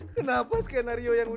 kalau bos berdiri sunat